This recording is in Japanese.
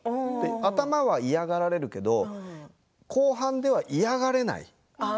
頭は嫌がられるけど後半では嫌がられない。